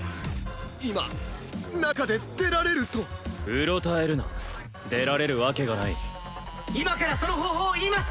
今中で出られるとうろたえるな出られるわけがない今からその方法を言います